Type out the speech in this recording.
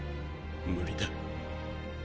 無理だ。